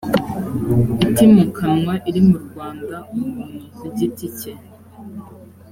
itimukanwa iri mu rwanda umuntu ku giti cye